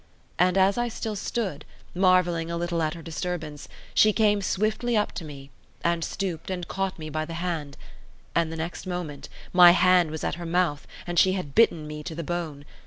And as I still stood, marvelling a little at her disturbance, she came swiftly up to me, and stooped and caught me by the hand; and the next moment my hand was at her mouth, and she had bitten me to the bone.